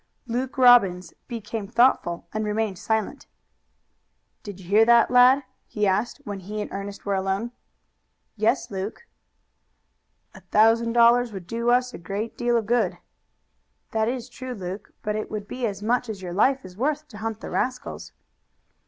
Luke Robbins became thoughtful and remained silent. "Did you hear that, lad?" he asked, when he and Ernest were alone. "Yes, Luke." "A thousand dollars would do us a great deal of good." "That is true, Luke, but it would be as much as your life is worth to hunt the rascals."